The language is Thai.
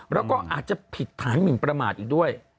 แล้วก็อาจจะผิดฐานหมินประมาทอีกด้วย